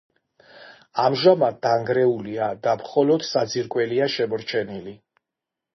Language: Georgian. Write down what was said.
ამჟამად დანგრეულია და მხოლოდ საძირკველია შემორჩენილი.